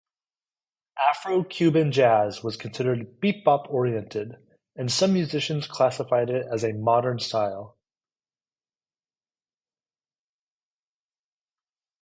Afro-Cuban jazz was considered bebop-oriented, and some musicians classified it as a modern style.